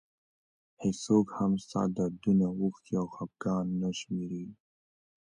هېڅوک هم ستا دردونه اوښکې او خفګان نه شمېري.